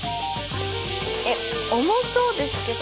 え重そうですけど。